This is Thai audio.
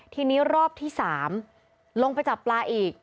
ทีนี้รอบที่๓ลงไปจับปลาอีก